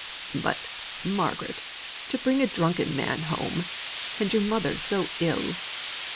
"But, Margaret, to bring a drunken man home and your mother so ill!"